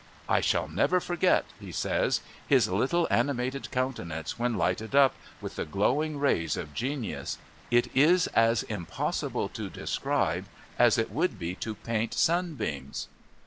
"I shall never forget," he says, "his little animated countenance when lighted up with the glowing rays of genius; it is as impossible to describe as it would be to paint sunbeams."